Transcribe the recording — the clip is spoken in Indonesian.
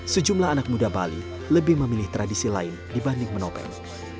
sejumlah anak muda bali lebih memilih tradisi lain dibanding menopeng